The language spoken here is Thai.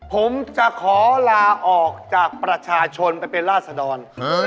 ผมจะขอลาออกจากประชาชนไปเป็นราศดร